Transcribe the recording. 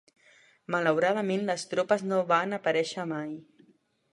Malauradament les tropes no van aparèixer mai.